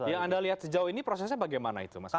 yang anda lihat sejauh ini prosesnya bagaimana itu mas